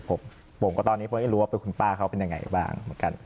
ผมก็ตอนนี้เพราะไม่รู้ว่าเป็นคุณป้าเขาเป็นยังไงบ้างเหมือนกัน